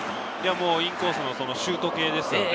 インコースのシュート系ですよね。